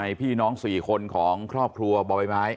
พี่น้อง๔คนของครอบครัวบ่อใบไม้